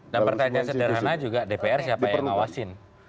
dan pertanyaan sederhana juga dpr siapa yang ngawasin